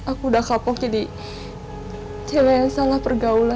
aku udah kapok jadi cewek yang salah pergaulan